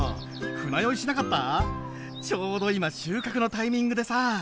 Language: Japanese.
ちょうど今収穫のタイミングでさ。